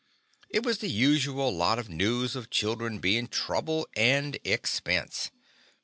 It was the usual lot of news of children bein' trouble and expense.